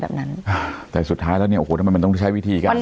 แบบนั้นแต่สุดท้ายแล้วเนี่ยโอ้โหทำไมมันต้องใช้วิธีการ